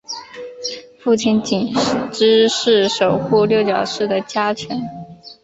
父亲景之是守护六角氏的家臣。